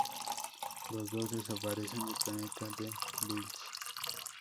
Los dos desaparecen del planeta de Bills.